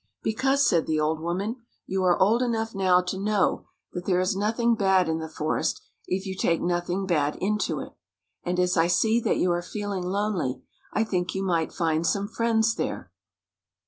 "" Because," said the old woman, " you are old enough now to know that there is nothing bad in. the forest, if you take nothing bad into it. And as I see that you are feeling lonely, I think you might find some friends there."